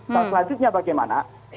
dan selanjutnya bagaimana